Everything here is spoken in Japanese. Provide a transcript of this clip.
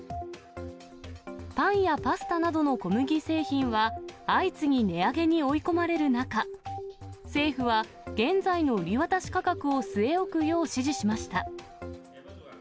パンやパスタなどの小麦製品は、相次ぎ値上げに追い込まれる中、政府は、現在の売り渡し価格を据え置くよう指示しました。